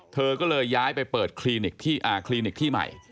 เธอก็เลยย้ายไปเปิดคลินิกที่อ่าคลินิกที่ใหม่